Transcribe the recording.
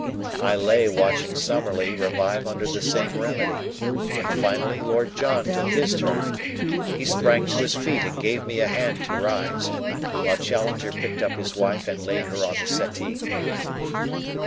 I lay watching Summerlee revive under the same remedy, and finally Lord John took his turn. He sprang to his feet and gave me a hand to rise, while Challenger picked up his wife and laid her on the settee.